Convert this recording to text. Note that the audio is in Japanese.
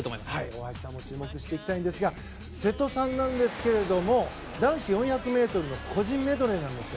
大橋さんにも注目していきたいんですが瀬戸さんなんですが男子４００ｍの個人メドレーなんです。